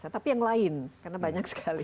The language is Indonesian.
tapi yang lain karena banyak sekali